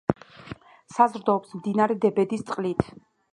საზრდოობს მდინარე დებედის წყლით.